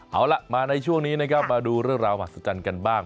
เอาล่ะมาในช่วงนี้นะครับมาดูเรื่องราวมหัศจรรย์กันบ้าง